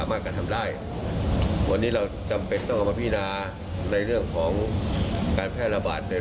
ก็เลยทำให้นายกกก็ย้ำนะคะบอกว่าการระบาดในระรอกเมษาเนี่ย